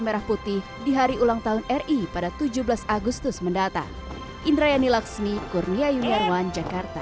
merah putih di hari ulang tahun ri pada tujuh belas agustus mendatang indrayani laksmi kurnia yuniarwan jakarta